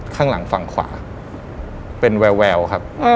ข้างหลังฝั่งขวาเป็นแววครับ